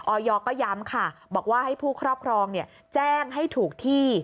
อยก็ย้ำค่ะบอกว่าให้ผู้ครอบครองแจ้งให้ถูกที่